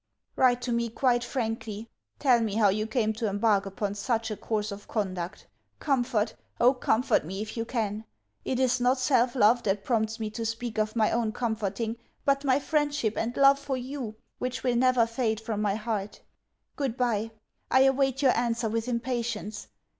Write to me quite frankly. Tell me how you came to embark upon such a course of conduct. Comfort, oh, comfort me if you can. It is not self love that prompts me to speak of my own comforting, but my friendship and love for you, which will never fade from my heart. Goodbye. I await your answer with impatience.